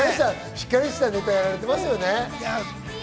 しっかりしたネタをやられてますね。